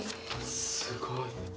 すごい。